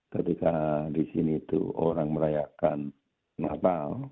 ketika di sini itu orang merayakan natal